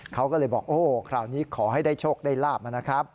เขาก็เลยบอกโอ้คราวนี้ขอให้ได้โชคได้ลาบมานะครับ